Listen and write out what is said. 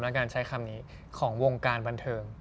และการใช้คำนี้ของวงการบันเทิง